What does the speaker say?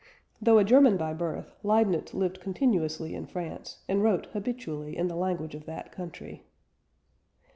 Though a German by birth, Leibniz lived continuously in France, and wrote habitually in the language of that country.